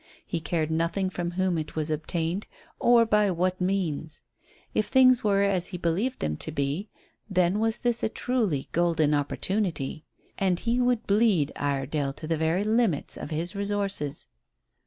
He cared nothing from whom it was obtained, or by what means. If things were as he believed them to be, then was this a truly golden opportunity. And he would bleed Iredale to the very limits of his resources.